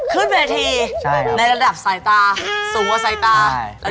ขึ้นเวทีในระดับสายตาสูงกว่าสายตา